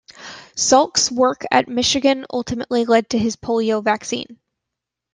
Salk's work at Michigan ultimately led to his polio vaccine.